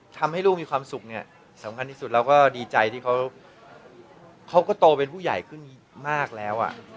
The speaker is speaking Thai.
ทำให้ลูกมีความสุขเนี่ยสำคัญที่สุดแล้วก็ดีใจที่เขาก็โตเป็นผู้ใหญ่ขึ้นมากแล้ว